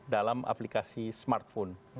dalam aplikasi smartphone